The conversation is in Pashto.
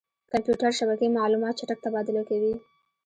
کمپیوټر شبکې معلومات چټک تبادله کوي.